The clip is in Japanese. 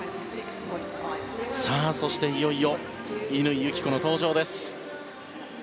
そして、いよいよ乾友紀子の登場です。